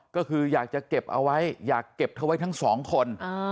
ก็คืออยากจะเก็บเอาไว้อยากเก็บเธอไว้ทั้งสองคน